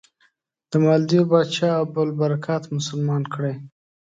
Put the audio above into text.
د مالدیو پاچا ابوالبرکات مسلمان کړی.